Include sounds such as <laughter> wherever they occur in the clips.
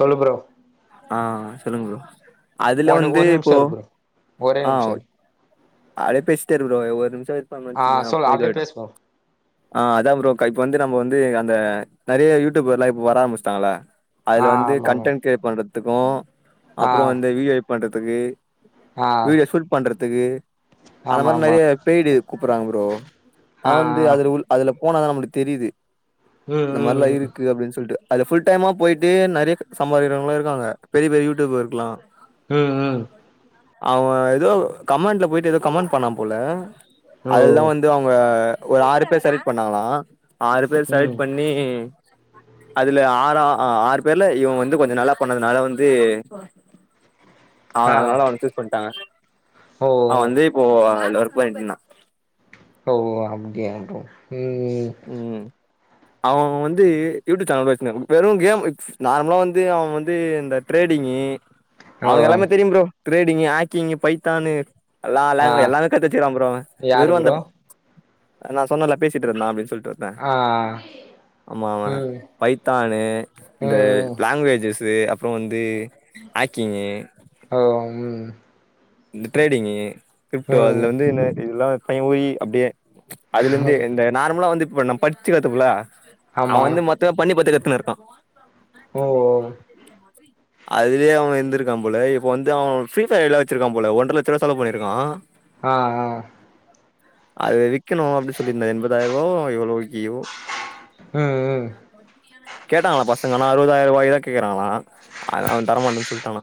சொல்லு ப்ரோ ஆ சொல்லுங்க ப்ரோ அதுல ஒன் வந்து ஒரு இப்போ நிமிஷோ இரு ப்ரோ ஒரே ஆ நிமிஷோ இரு அப்டியே பேசிட்டே இரு ப்ரோ ஒரு நிமிஷொ வைட் பண்ணோ ஆ வெச்சுக்கயே சொல்லு அப்றோ அப்டியே இதாயிடு பேசு ப்ரோ ஆ அதா ப்ரோ இப்ப வந்து நம்ம வந்து அந்த நெறையா யூடியூபர் எல்லா இப்ப‌ வர ஆரம்பிச்சிட்டாங்களா ஆ அதுல வந்து ஆமா கண்டென்ட் கிரியேட் பண்றதுக்கு ஆமா அப்றோ வந்து ஆ வீடியோ எடிட் பண்றதுக்கு ஆ வீடியோ ஷூட் பண்றதுக்கு அந்த ஆமா மாரி ஆமா நெறைய பேய்டு கூப்பிடுறாங்க ப்ரோ அதா ஆ வந்து ஆ அதுல உள்ள அதுல போனாதா நம்மளுக்கு தெரியுது ம் இந்த மாரிலா ம் இருக்கு அப்டின்னு சொல்லிட்டு அதுல ஃபுல் டைமா போயிட்டு நெறைய சம்பாக்கிறவங்களு இருக்காங்க பெரிய பெரிய யூடியூபர்க்கெல்லா ம் ம் அவ ஏதோ கமெண்ட்ல போயிட்டு ஏதோ கமெண்ட் பண்ணா போல ஓ அதுலதா வந் அவங்க ஒரு ஆறு பேர் செலக்ட் பண்ணங்களா ஆறு பேர் ம் செலக்ட் பண்ணி அதுல ஆற ஆறு பேர்ல இவங்க வந்து கொஞ்சோ நல்லா பண்ணதுனால வந்து அவன ஆ அதனால அவன ஷீஸ் பண்ணிட்டாங்க ஓ அவ வந்து இப்போ அதுல ஒர்க் பண்ணிட்டு இருந்தா ஓ அப்படியா ப்ரோ ‌ம் ம் ம் அவ வந்து யூடியூப் சேனல் வெச்சிருந்த வெறும் கேமு நார்மலா வந்து அவ வந்து இந்த டிரேடிங்கி ஓ அவனுக்கு எல்லாமே தெரியு ப்ரோ டிரேடிங்கி ஆக்கிங்கி பைத்தானு எல்லா ஆ லாங் எல்லாமே கத்து வெச்சிருக்கா ப்ரோ அவ யாரு வெறு அந்த ப்ரோ நா சொன்னேல பேசிட்டு இருந்தா அப்டின் சொல்ட்டார் ஆ ஆமா அவ ம் பைத்தானு இந்த ம் லாங்குவேஜஸ்சு அப் அப்றோ வந்து ஆக்கிங்கி ம் இந்த டிரேடிங்கி கிரிப்டோ ம் அதுல வந்து என்ன இதெல்லா <unintelligible> அப்டியே அதுல இருந்து இந்த நார்மலா வந்து இப்ப நம்ம படிச்சு கத்துப்புல அவ ஆமா வந்து மொத்தமா பண்ணி பாத்து கத்துன்னு இருக்கா ஓ ஓ அதுலயே அவ இருந்திருக்கான போல வந்து அவ ஃப்ரீ பயர் எல்ல வெச்சிருக்க போல ஒன்றர லட்ச ரூவா செலவு பண்ணி இருக்கா ஆ ஆ அது விக்கனு அப்டின்னு சொல்லியிருந்தா எண்பதாயிர ரூபாக்கோ எவ்ளோக்கியோ ம் ம் கேட்டாங்கலா பசங்கனா அறுவ்தாயிர்ருவாயா கேக்குறாங்ளா அ அவே தரமாட்டன் சொல்ட்டானா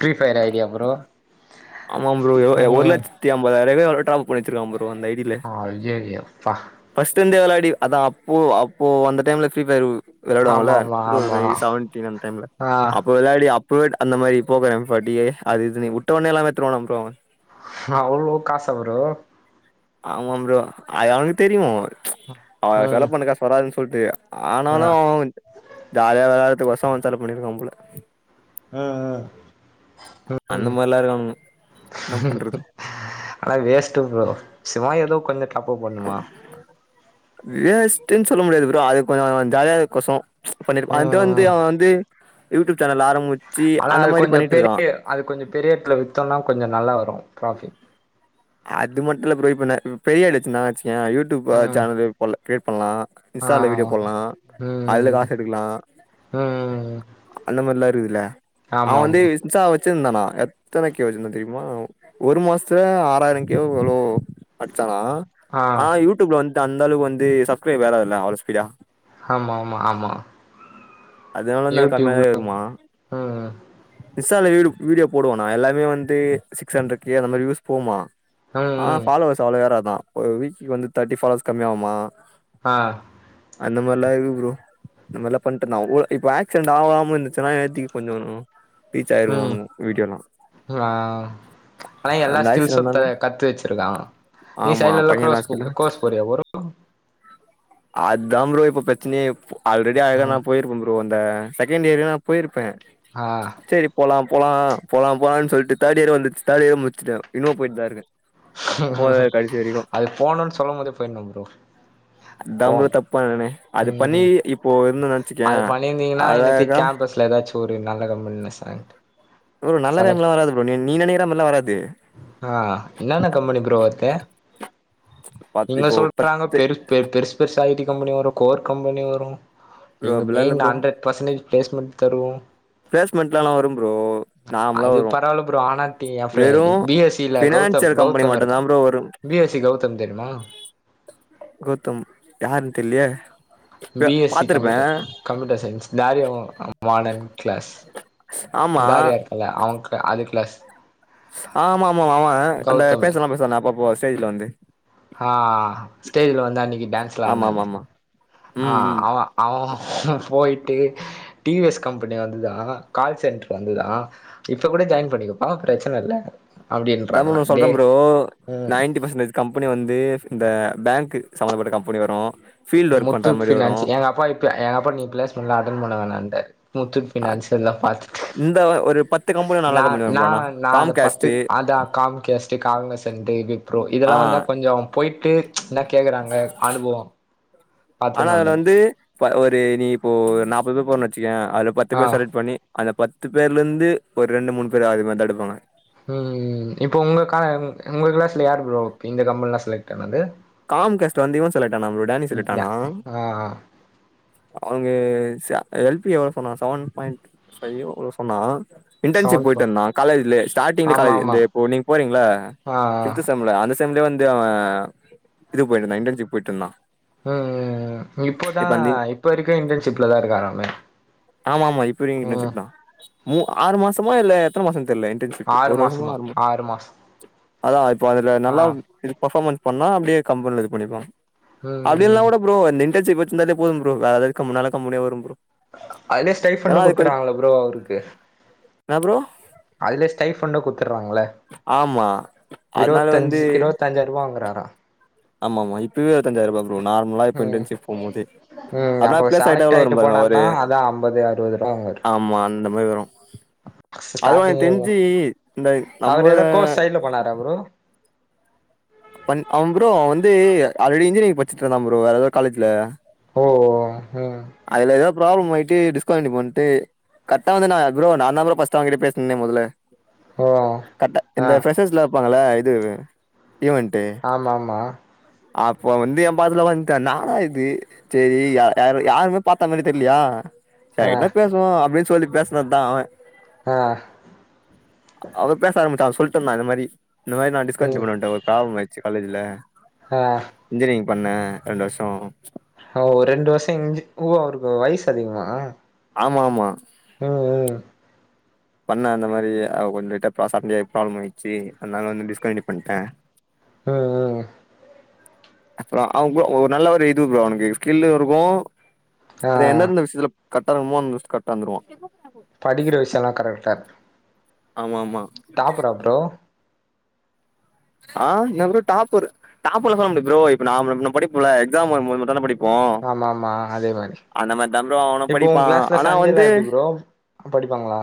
ஃப்ரீ ஃபயர் ஐடியா ப்ரோ ஆமா ப்ரோ எ ஒ ஒரு ம் லட்ச் நூத்தி ஐம்பதாயவாய்க்கோ எவ்ளவோ டாப்பப் பண்ணி வெச்சிருக்கா ப்ரோ அந்த ஐய்யய்யோ அப்பா ஃபஸ்ட் இருந்தே வெளாடி அதா அப்போ அப்போ வந்த டைம்ல ஃப்ரீ பயர் ஆமா வெளாடுவாங்கள்ல ஆமா டூ ஆமா தௌச்சன் எயிட் செவன்டீன் அந்த டைம்ல ஆ அப்போ வெளாடி அப்ப அந்த மாரி <unintelligible> அப்படியே அது இதுன்னு வுட்டுவான்னா எல்லாமே வுட்டு வருவானா ப்ரோ அவ்ளோ காசா ப்ரோ ஆமா ப்ரோ ஆ அவனுக்கு தெரியு ஆ ம் செலவு பண்ண காசு வராதுன்னு சொல்ட்டு ஆ ஆனாலு ஜாலியா வெளாட்றதுக்கொசரோ அவ செலவு பண்ணிருக்கா போல ம் ம் ம் அந்த மாரில்லா இருக்கானுங்க என்ன பண்றது ஆனா வேஸ்ட்டு ப்ரோ சிவா ஏதோ கொஞ்சோ தப்பு பண்ணுமா வேஸ்ட்ன்னு சொல்ல முடியாது ப்ரோ அது கொஞ்சோ ஜாலியா இருக்கரக்கொசரோ பண்ணிருப்பா அ வந்து ம் அவ வந்து யூடியூப் சேனல் ஆரம்பிச்ச ஆனா அது கொஞ்ச பெரிய அது கொஞ்ச பெரிய எடத்துல வித்தோண்ணா கொஞ்ச நல்லா வரு ப்ராஃபிட் அது மட்டு இல்ல ப்ரோ இப்ப நா பெரிய ஆடச்சுனா வெச்சுக்கியே யூடியூப் அ ம் சேனலு போட்ல கிரியேட் பண்லா ஆ இன்ஸ்டால வீடியோ போட்லா அதில ம் காஸ் எடுக்கலா ம் அந்த மாரிலா இருக்குதுல்ல அவ ஆமா வந்து ஆமா இன்ஸ்ட்டா வெச் சிருந்தானா எத்தன கே வெச்சிருந்தா தெரியிமா ஒரு மாசத்துல ஆறாயிரோ கே வோ எவ்ளோ அடிச்சான ஆ ஆனா யூடியூப்ல வந்துட்டு அந்தளவுக்கு வந்து சப்ஸ்கிரைப் வேற இல்ல அவ்ளோ ஸ்பீடா ஆமா ஆமா ஆமா அதனால என்ன யூடியூப்ல கம்மியாயி வருமா ம் இன்ஸால வீடு வீடியோ போடுவானா எல்லாமே வந்து சிக்ஸ் ஹண்ரட் கே அந்த மாரி வியூஸ் போகுமா ம் ஆ ம் ஃபாலோவர்ஸ் அவ்ளோ ஏறாதா ஒரு வீக்க்கு வந்து தேட்டி ஃபாலோவர்ஸ் கம்மியாகுமா ஆ அந்த மாரிலா இருக்கு ப்ரோ நல்லா பண்ட்ருந்தா ஓ இப்ப ஏக்ஸிரன்ட் ஆவாம இருந் சின்னா <unintelligible> கொஞ்சானு ரீச்சாயிருக்கு வீடியோலா லா ஆனா எல்லா அந்த ஸ்கில்ஸு ஆக்சிடென்ட்னால கத்து வெச்சிருக்கா நீ சைட்ல எல்லா க்ரோஸ் கோர்ஸ் போறியா ப்ரோ அத் தாம் பரோ இப்ப பிரச்சனயே ஆல்ரெடி அழகா நா போயிருப்பம் ப்ரோ இந்த செகண்ட் இயரே நா போயிருப்பே ஆ செரி போலாம் போலா போலாம் போலான் சொல்ட்டு தேட் இயரே வந்துர்ச்சு தேட் இயர் முடிச்சிட்டே இன்னு போயிட் தா இருக்கே போறே கடசி வரைக்கு போணுன் சொல்லும்போதே போயிர்னும் ப்ரோ அத் தாம் ப்ரோ போம் தப்பு பண்ணுனே அது பண்ணி ம் இப்போ இருந்தே வெச்சிக்கியே அழகா <unintelligible> சோறு நல்ல கம்பெனில செலக்ட் ப்ரோ நல்ல கம்பென்லா செலக்ட் வராது ப்ரோ நீ நீ நெனைக்கிற மாரில்லா வராது ஆ என்னன்ன கம்பெனி ப்ரோ வர்து இங்க இப்போ சொல்றாங்க பத்து பெரு பெ பெருசு பெருசா ஐ டி கம்பெனி வரு கோர் கம்பெனி வரு ப்ரோ இங்க அப்டிலா இல்ல main bro hundred percentage placement தருவோ பிளேஸ்மெண்ட்லலா வரும் ப்ரோ நார்மலா அது வரு பரவால்ல ப்ரோ ஆனாத்தி எ ப்ரெ வெறு பி எஸ் சி ல கௌதம் ஃபினான்சியல் கம்பெனி கௌதம் இருக்கா மட்டுந்தா ப்ரோ வரு பி எஸ் சி கௌதம் தெரிமா கௌதம் யாருன் தெர்லையே த பி எஸ் சி பாத்துருப்பே கம்ப்யூட்டர் கம்ப்யூட்டர் சயின்ஸ் தாரியாவு மாடன் க்ளாஸ் ஆமா தாரியா இல்ல அவுங்க அது க்ளாஸ் ஆமாமா ஆமா அந்த கௌதமு பேசெல்லா பேசுவானே அப்பப்போ ஸ்டேஜ்ல வந்து ஆ ஸ்டேஜ்ல வந்தான்னைக்கு டான்ஸ்லா ஆமா ஆமா ஆட்னானே ஆமா ஆ ம் ம் அவ அவ போயிட்டு டி வி எஸ் கம்பெனி வந்துதா கால்சென்டர் வந்துதா இப்ப கூட ஜாயின் பண்ணிக்கப்பா பிரச்சன இல்ல த முனு அப்டின்றாங்களா சொல்றே டே ப்ரோ ம் நைன்டி பர்சன்டேஜ் கம்பெனி வந்து இந்த பேங்க்கு சம்பந்தப்பட்ட கம்பெனி வரு ஃபீல்டு ஒர்க் பண்ற முத்தூட் மாரி வரு பினான்ஸ் எங்கப்பா இப்பியே எங்கப்பா நீ ப்ளேஸ்மெண்ட்லா அட்டன் பண்ண வேண்டான்டாரு முத்தூட் அ பினான்ஸ் எல்லா பாத்துட்டு இந்த ஒரு பத்து கம்பெனி நல்ல நா கம்பெனி வரு நா ப்ரோ ஆனா நா அத பத்து காம்கேஸ்ட்டு அத காம்மிக்க வெஸ்ட்டு <unintelligible> ப்ரோ ஆ இதெல்லா வந்தா கொஞ்சோ போயிட்டு என்ன கேக்குறாங்க அனுபவோ ஆனா பாத்துக்குனு அதுல வந்தனு வந்து ஒரு நீ இப்போ நாப்பது பேர் போறோன் வெச்சுக்கயே அதுல பத்து ஆ பேர் செலக்ட் பண்ணி அந்த பத்து பேர்லருந்து ஒரு ரெண்டு மூணு பேர் அது மாத் தா எடுப்பாங்க ம் இப்போ உங்க கா உங்க க்ளாஸ்ல யார்ரு ப்ரோ இந்த கம்பெனிலா செலக்ட்டானது காம் கேஸ்ட் வந்து இவ செலக்ட் ஆனா ப்ரோ டேனி செலக்ட் ஆனா ஆ ஆ அவங்க ச எல் பி எவ்வளோ சொன்னா செவன் பாயிண்ட் ஃபையோ எவ்ளோ சொன்னா இன்டர்ன்ஷிப் சவுண்ட் போ போயிட்டுந்தா காலேஜ்லே ஸ்டார்ட்ங்லே ஆமா காலேஜ் ஆமா இந்த இப்போ நீங் போறீங்களா ஆ ஃபிப்த்து சம்ல அந்த செம்லியே வந்து அவ இதுக் போயிட் இருந்தா இண்டன்சிப் போயிட்ருந்தா ம் இப்போதா இப்ப இருக்க இன்டர்ன்ஷிப்ல தா இருக்காராமே ஆமா ஆமா இப்ப இருந்தே ம் இன்டர்ன்ஷிப் தா மூ ஆறு மாசமோ இல்ல எத்தன மாசன் தெர்லே டண்சிப்பு ஆறு ஒரு வருஷமா மாசமா ஆறு மா மாசோ அதா இப்ப அதுல ஆ நல்லாவ் இரு ஃபர்மன்ஸ் பண்ணா அப்படியே கம்பெல்ல இது பண்ணிர்பாங் அப்படின்லா ம் கூட ப்ரோ இந்த இன்டர்ன்ஷிப் வச்சிருந்தாலே போதும் ப்ரோ வேல இருக்க முன்னால்ல கம்பெனியா வரும் ப்ரோ அதுலேயே ஸ்டைட் ஏன்னா ஃபண்டு அது கொஞ்ச குடுத்துறாங்கள ப்ரோ அவருக்கு என்ன ப்ரோ அதிலே ஸ்டைஃபண்டு குத்தற்றாங்கள ஆமா அதனால இருவத்தஞ்சு இருவத்தஞ்சாயிரவா வாங்கறாரா ஆம்மா ஆம்மா இப்பவே இருவத்தஞ்சாயிரரூபா ப்ரோ நார்மலா இப்ப ம் இன்டென்ஷிப் போம் மோது ம் அப்போ செலக்ட் ஆயிட்டு போனார்னா அதா ஐம்பது அறவது ரூவா வாங்குவார் ஆமா அந்த மாரி வரு அதுவு எனக் ஸ்டார்டிங்கே தெஞ்சி இந்த நம்ம ட்டு போனாரா ப்ரோ பண் அவ ப்ரோ வந்து ஆல்ரெடி இன்ஜினியரிங் பச்சிட்ருந்தா ப்ரோ வேற எதோ காலேஜ்ல ஓ ம் அதுல எதோ ப்ராப்ளம் ஆயிட்டு டிஸ்கன்டினியூ பண்ட்டு கர்ட்டா ட வந்து நா ப்ரோ நாந்தாப்ரோ பஸ்ட்டா அவகிட்ட பேஸ்னே மொதல ஓ கட்டா ஆ இந்த ப்ரெஷ்ஷஷ்லா வெப்பாங்கல்ல இது ஈவென்ட்டு ஆமா ஆமா அப்போ வந்து எம் பாஸ்ல வந்ட்ட னாடா இது செரி யா யாரு யாருமே பாத்த மாரி தெர்லியா ஆ செரி என்ன பேசுவோ அப்டின் சொல்லி பேஸ்னது தா அவ ஆ அவ பேச ஆரம்பிச்சா அவ சொல்டுந்தா இந்த மாரி இந்த மாரி நா டிஸ்கன்டினியூ ம் பண்ணி வன்டே ஒரு பிராப்லம் ஆய் சு காலேஜ்ல ஆ இன்ஜினிரிங் பண்ண ரெண்டு வர்ஷோ ஓ ரெண்டு வர்ஷ இன்ஜி ஓ அவருக்கு வய்சு அதிகமா ஆமா ஆமா ம் ம் பண்ண அந்த மாரி அவ கொஞ் லைட்டா ப்ரா சண்ட்யாயி ப்ராப்ளம் ஆயிச்சு அத்னால வந்து டிஸ்கண்ட்யூ பண்ட்ட அ அ அப்ற அவ்ங்கு ஒரு நல்ல ஒரு இது ப்ரோ அவ்னுக்கு ஸ்கில்லு இருக்கு ஆ அது எந்தந்த விஷ்த்துல கர்ட்டா ரிமுவான்துஸ் கர்ட்டா வந்துருவா படிக்கிற விஷ்யல்லா கரெக்ட்டா இருக்டு ஆமாமா டாப்புரா ப்ரோ ஆ இன்னா புரோ டாப்பரு டாப்பர் சொல்ல முடிய்து ப்ரோ இப்ப நாம் நம் நம் படிப்புல எக்ஸாம் வரமோது மட்தான படிப் ஆம்மாமா அதே மாரி மாரிதா ப்ரோ அவனு இப்போ படிப்பா உங் ஆனா வந்து சஞ்சய்லா எப்டி ப்ரோ படிப்பாங்ளா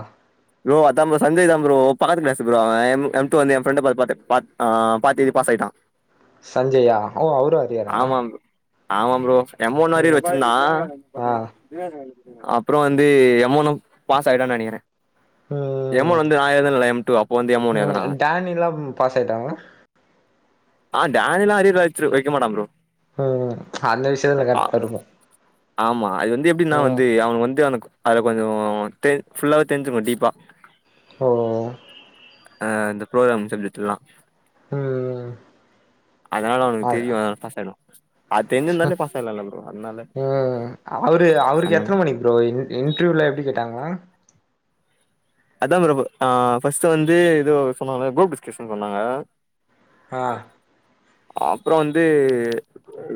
ரோ அதா ப்ரோ சஞ்சய் தா ப்ரோ பக்கத்து கிளாஸ் ப்ரோ அவ எம்மு எம் டு வந்து எ ஃப்ரண்ட பா பாத்து பாத் ஆ பாத் எழுதி பாஸ் ஆய்ட்டா. சஞ்ஜையா ஓ அவரு அரியரா ஆமாம் ப்ரோ ஏ முன்னாடியே இத ம் வச்சிர்ந்தா ஆ அப்புறோ வந்து எமொனு பாஸ் ஆயிடுவான் நெனைக்கிறே எமௌன் ம் வந்து நா எதுல்ல எம் டூ அப்ப வந்து எமௌன் ம் எதனா அவ டேனிலா பாஸ் ஆயிட்டாங்களா ஆ டானில்லா அரியர் வச்ரு வெக்க மாட்டா ப்ரோ ம் அந்த விஷயத்துலா ஆ கர்ட்டா இருப்ப ஆமா அது வந்து எப்டின்னா வந்து அவனுக் வந்து அந்த கொ அதுல கொஞ்சோ தெ ஃபுல்லாவே தெர்ஞ்சும்மடீப்பா ஒ ஒ அ இந்த ப்ரோக்ராம் சப்ஜட்ல்லா ம் அதனால அவுனுக் அதா தெரியு அதனால பாசாயிடுவா அது தெர்ஞ்சிருந்தாலே பாஸ் ஆயிட்லால்லா இல்ல ப்ரோ அத்னால அ அவுரு அவுருக் எத்துன மணிக் ப்ரோ இன் இன்ட்ர்யூலா எப்டி கேட்டாங்க அதா ப்ரோ ஆ ஃபர்ஸ்ட் வந்து எதோ சொன்னாங்கள குரூப் டிஸ்கஷன் சொன்னாங்க அ அப்புற வந்து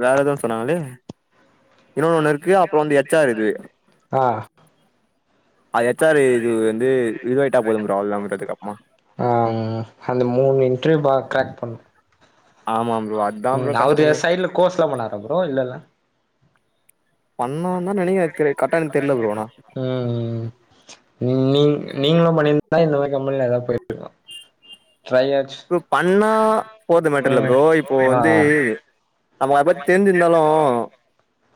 வேற எதோ ஒன் சொன்னாங்களே இன்னொன் ஒன்னு இருக்கு அப்புற வந்து எச் ஆர் இதுவே ஆ அ எச் ஆரு இது வந்து இதுவ் ஆயிட்டா போதும் ப்ரோ அவுள் நம் அதுக் அப்மா ஆ அந்த மூண் இன்ட்ர்வியூ பா க்ரேக் பண்னு ஆமா ப்ரோ அட் ம் அவுரு எத் சைட்ல கோர்ஸ்லா பண்ணாரா ப்ரோ இல்லல்ல பண்ணான்தா நெனக்கிற தெரி கர்ட்டா எனுக் தெர்ல ப்ரோ அனா ம் ம் நீங் நீங்ளு பண்ணிருந்தா இந்த மாரி கம்பெனில எதா போயிட்ருக்லா ட்ரை ஆச்சு ப்ரோ பண்ணா போற்து மேட்டர் இல்ல ப்ரோ இப்போ ஆ வந்து நமக் அத பத்தி தெர்ஞ்சிர்ந்தாலு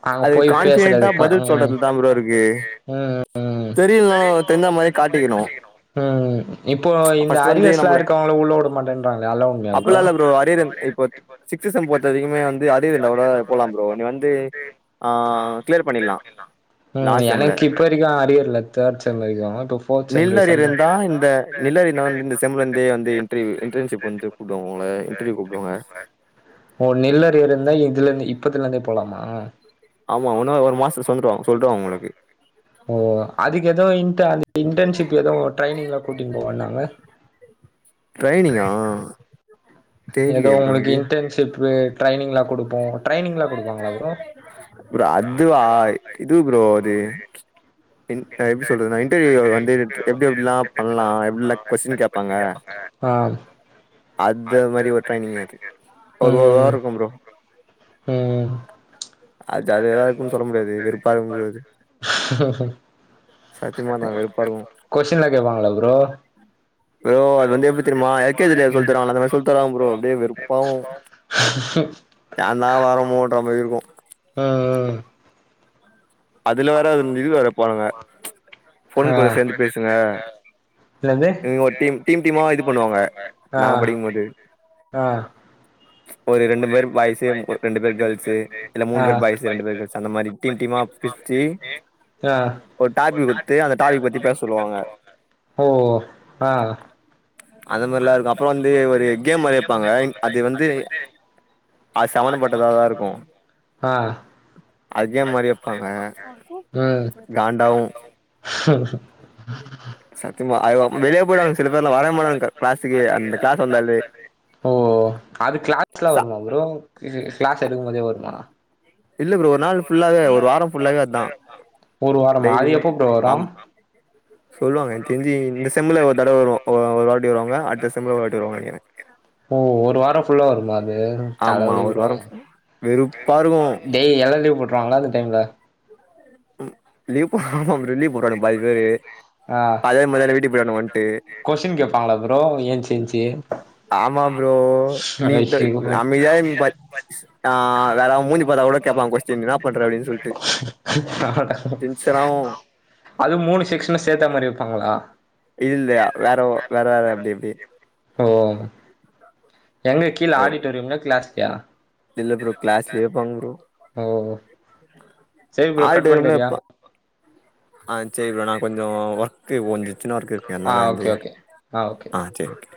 அங்க அது போய் கான்பிடென்ட்டா பேசுறதுக்கு பதுல் ம் சொல்றதுல்தா ப்ரோ இருக்கு ம் ம் தெரிய்ல்னாலு தெர்ஞ்சா மாரி காட்டிக்கிணு அ அ இப்போ இந்த அரியர்ஸ்லா நம்மள இருக்கவுங்ள உள்ள உட மாட்டன்றாங்ளே அத்லா உண்ம்யா ப்ரோ அப்பல்லா இல்ல அரியர் இப்போ சிக்ஸு சம் போத்த வரிக்குமே வந்து அதியர் இர்ந்தா கூட போலாம் ப்ரோ நீ வந்து ஆ கிளியர் க்ளியர் பண்ணிடலா பண்ணிர்லா ம் லாஸ்ட் செம்ல எனக் இப்ப வரிக்கு அரியர் இல்ல தேட் செம் வரிக்கு டூஃப் நில் அரியர் இர்ந்தா இந்த நில் அரியர்ந்தா வந்து இந்த செம்லந்தே வந்து இன்ட்ர்வீயூ இன்டன்ஷிப் வந்து கூப்டுவாங்கல இன்டர்வியூ கூப்டுவாங்க ஒ நில் அரியர் இர்ந்தா இதுலந்து இப்பத்துலந்தே போலாமா ஆமா உன்னவ ஒரு மாஸ்த்துல சொல்டுவாங் சொல்டுவாங்க உங்களுக்கு ஒ ஒ அதுக்கு எதோ இன்ட்ட இன்டன்ஷிப்பு எதோ ட்ரைனிங்லா கூட்டின் போவன்னாங்க ட்ரைனிங்கா எதோ தெர்லயே ப்ரோ உங்களுக்கு எனக்கு இன்ட்டன்ஷிப்பு ட்ரைனிங்லா குடுப்போ ட்ரைனிங்லா குடுப்பாங்களா ப்ரோ ப்ரோ அதுவா இது ப்ரோ அது இ எப்டி சொல்றது நா இன்டர்வியூ வந்து எ எப்டி எப்டிலா பண்லா எப்டிலா கொஸ்டின் கேப்பாங்க அ அந்த மாதிரி ஒரு ட்ரைனிங் அது ஒரு ஒருவார ம் இருக்கு ப்ரோ ம் அது ஜாலியாதா இருக்கும்ன்னு சொல்ல முடியாது வெருப்பா இருக்கு அது சத்தியமா தா வெறுப்பா இருக்கு கொசிடின்லா கேப்பாங்களா ப்ரோ ப்ரோ அது வந்து எப்டி தெரியுமா எல் கே ஜில சொல்லி தருவாங்கல அது மாரி சொல்லி தருவாங்க ப்ரோ அப்டியே வெறுப்பாவு ஏன் தா வர மோன்ற மாதிரி இருக்கு அ அ அதுல வேற அந் அது இது வேற போறாங்க ஆ பொண்ணுங்கூட சேந்து பேசுங்க என்னது எங்க ஒரு டீம் டீம் டீமா இது பண்ணுவாங்க நாங் படிக்கும்மோது அ ஒரு ரெண்டு பேரு பாய்ஸு ஒரு ரெண்டு பேரு கேர்ள்ஸு இல்ல ஆ மூணு பேர் பாய்ஸு ரெண்டு பேர் கேர்ள்ஸ் அந்த மாரி டீம் டீமா பிரிச்சி ஆ ஒரு டாபிக் குடுத்து அந்த டாபிக் பத்தி பேச சொல்லுவாங்க ஓ ஆ அது மாதிரிலா இருக்கு அப்புறோ வந்து ஒரு கேம் மாரி வப்பாங்க அது வந்து அ செவனப்பட்டதாதா இருக்கு ஆ அதே மாரியே வப்பாங்க ம் காண்டாவு சத்தியமா அய்யோ வெளிய போயிடுவாங்க சில பேர்லா வரவே மாட்டாங்க க்ளாஸ்க்கே அந்த க்ளாஸ் வந்தாலே ஓ அது கிளாஸ்க்குலா ச வருமா ப்ரோ இல்ல கிளாஸ் எடுக்கும்போதே வருமா இல்ல ப்ரோ ஒரு நாள் ஃபுல்லாவே ஒரு வாரோ ஃபுல்லாவே அதா ஒரு வாரமா அது டெய்லியுமே எப்போ ப்ரோ வரு ஆமா சொல்லுவாங்க எனக்கு தெரிஞ்சு இந்த செம்ல ஒரு தடவ வரு ஒரு வாட்டி வருவாங்க அடுத்த செம்ல ஒரு வாட்டி வருவாங்க ஓ ஒரு வாரோ ஃபுல்லா வருமா அது ஆமா தலவலி ஒரு ப்ரோ வாரோ வெறுப்பா இருக்கு டேய் எல்லா லீவு போட்ருவாங்களா அந்த டைம்ல லீவ் போ ஆமா ப்ரோ லீவ் போட்ருவாங்க பாதி பேரு ஆ அதே மாரி மதியான வீட்டுக்கு போயிர்வான்வோ வன்ட்டு கொஸ்டின் கேப்பாங்களா ப்ரோ ஏன்ச்சி ஏன்ச்சு ஆமா ப்ரோ நீ ஐயோ அமைதியா <unintelligible> ஆ வேற அவன் மூஞ்ச பாத்தா கூட கேப்பாங்க கொஸ்டின் என்ன பண்ற அப்டினு ஆவு அட அது மூணு செக்ஸனு சேத்தா மாரி வப்பாங்களா இல்ல வேறோ வேற வேற அப்டி இப்டி ஓ எங்க கீழ ஆடிட்டோரியம்லா கிளாஸ்லயா இல்ல ப்ரோ கிளாஸ்லியே வப்பாங்க ப்ரோ ஓ சரி ப்ரோ ஆல் கட் டைம்ல பண்றியா இப்ப ஆ சேரி ப்ரோ நா கொஞ்சோ ஒர்க் கு வந்து சின்ன ஒர்க்கு இருக்கு ஆ அதனால ஓகே வந்து ஓகே ஓகே ஆ சேரி